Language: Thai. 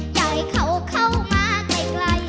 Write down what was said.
อยากให้เขาเข้ามาไกล